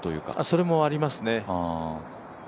それもありますね。